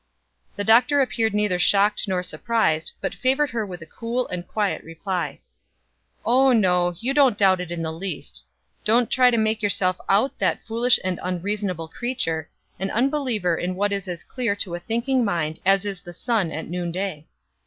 The Doctor appeared neither shocked nor surprised, but favored her with a cool and quiet reply: "Oh, no, you don't doubt it in the least. Don't try to make yourself out that foolish and unreasonable creature an unbeliever in what is as clear to a thinking mind as is the sun at noonday.